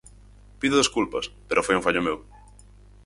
Pido desculpas, pero foi un fallo meu.